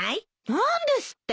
何ですって！？